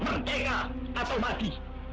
merdeka atau mati